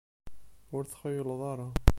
Ur t-xuyleɣ ara.